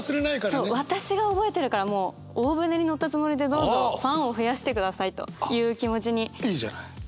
そう私が覚えてるからもう大船に乗ったつもりでどうぞファンを増やしてくださいという気持ちに思うかなと思います。